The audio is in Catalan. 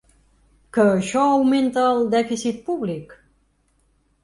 Que això augmenta el dèficit públic?